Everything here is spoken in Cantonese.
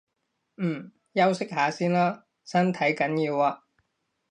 嗯，休息下先啦，身體緊要啊